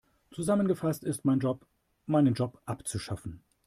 Zusammengefasst ist mein Job, meinen Job abzuschaffen.